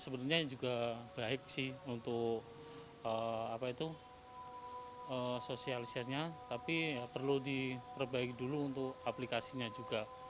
sebenarnya juga baik sih untuk sosialisirnya tapi perlu diperbaiki dulu untuk aplikasinya juga